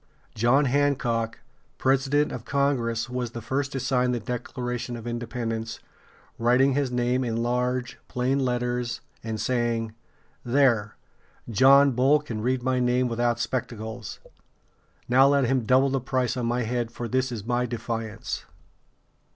John Hancock, president of Congress, was the first to sign the Declaration of Independence, writing his name in large, plain letters, and saying: "There; John Bull can read my name without spectacles. Now let him double the price on my head, for this is my defiance."